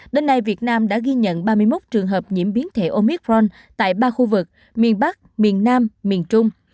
đến nay việt nam đã ghi nhận ba mươi một trường hợp nhiễm biến thể omicron tại ba khu vực miền bắc miền nam miền trung